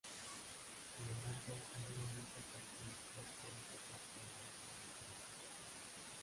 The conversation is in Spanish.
Sin embargo, algunas de estas características pueden ser consideradas como estereotipos.